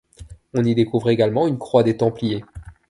On y découvre également une croix des Templiers.